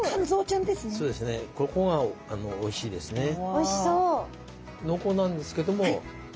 おいしそう。